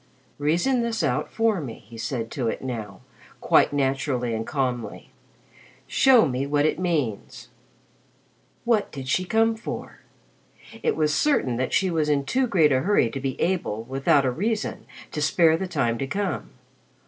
"Reason this out for me," he said to it now, quite naturally and calmly. "Show me what it means." What did she come for? It was certain that she was in too great a hurry to be able, without a reason, to spare the time to come.